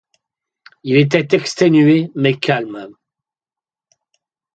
Il était exténué, mais calme